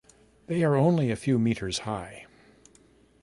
They are only a few metres high.